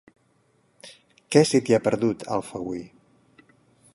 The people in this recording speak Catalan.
Què se t'hi ha perdut, a Alfauir?